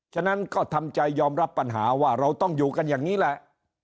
ฉะนั้นก็ทำใจยอมรับปัญหาว่าเราต้องอยู่กันอย่างนี้แหละ